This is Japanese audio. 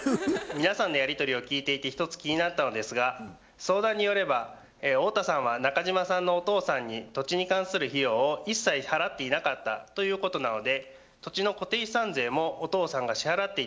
皆さんのやり取りを聞いていてひとつ気になったのですが相談によれば太田さんは中島さんのお父さんに土地に関する費用を一切払っていなかったということなので土地の固定資産税もお父さんが支払っていたということになりますよね。